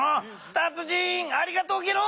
たつ人ありがとうゲロ！